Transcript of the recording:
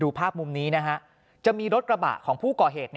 ภาพมุมนี้นะฮะจะมีรถกระบะของผู้ก่อเหตุ